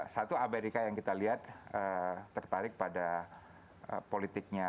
satu amerika yang kita lihat tertarik pada politiknya